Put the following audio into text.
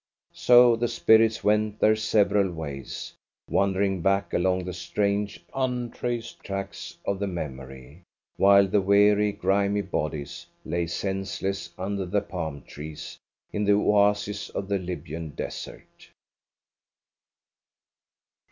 So the spirits went their several ways, wandering back along the strange, un traced tracks of the memory, while the weary, grimy bodies lay senseless under the palm trees in the Oasis of the Libyan Desert.